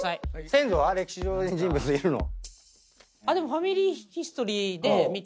先祖は歴史上の人物いるの？